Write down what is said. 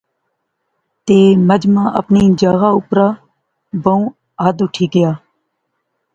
تہ مجمع اپنی جاغا اپرا بہوں حد اٹھِی گیا